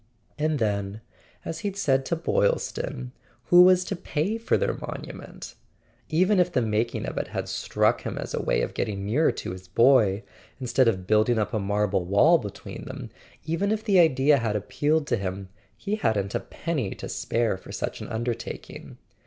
And then: as he'd said to Boylston, who was to pay for their monument? Even if the making of it had struck him as a way of getting nearer to his boy, in¬ stead of building up a marble wall between them— even if the idea had appealed to him, he hadn't a penny to spare for such an undertaking.